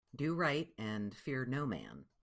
Do right and fear no man.